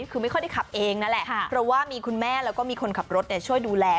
คือไม่ค่อยได้ขับเองนั่นแหละเพราะว่ามีคุณแม่แล้วก็มีคนขับรถช่วยดูแล